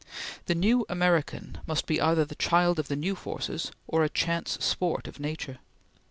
The new American must be either the child of the new forces or a chance sport of nature.